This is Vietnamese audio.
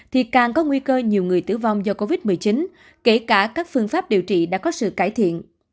thì càng có nguy cơ nhiều người tử vong do covid một mươi chín kể cả các phương pháp điều trị đã có sự cải thiện